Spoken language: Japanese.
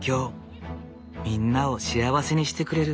みんなを幸せにしてくれる。